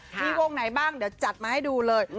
มีวงไหนบ้างเดี๋ยวจัดมาให้ดูเลย